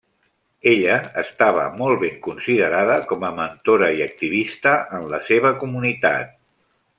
Ella estava molt ben considerada com a mentora i activista en la seva comunitat.